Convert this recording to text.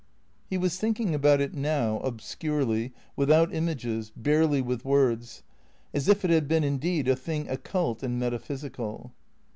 He was thinking about it now, obscurely, without images, barely with words, as if it had been indeed a thing occult and metaphysical.